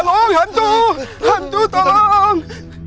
tolong hantu hantu tolong